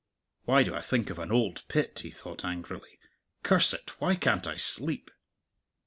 "Why do I think of an old pit?" he thought angrily; "curse it! why can't I sleep?"